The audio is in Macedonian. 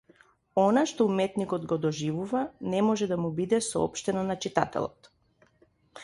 Она што уметникот го доживува, не може да му биде соопштено на читателот.